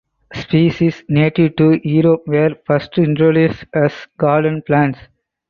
Species native to Europe were first introduced as garden plants.